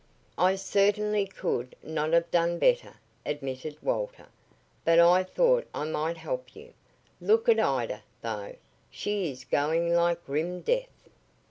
"I certainly could not have done better," admitted Walter. "But I thought I might help you. Look at Ida, though! She is going like grim death."